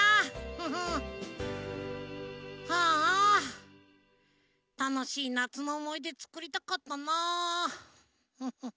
ああたのしいなつのおもいでつくりたかったなフフフ。